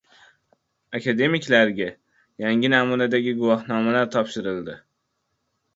Akademiklarga yangi namunadagi guvohnomalar topshirildi